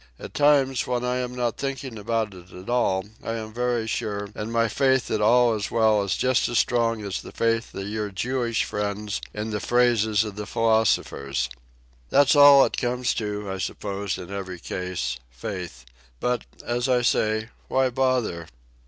At times, when I am not thinking about it at all, I am very sure, and my faith that all is well is just as strong as the faith of your Jewish friend in the phrases of the philosophers. That's all it comes to, I suppose, in every case—faith. But, as I say, why bother?"